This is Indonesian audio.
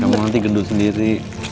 nanti kamu gendut sendiri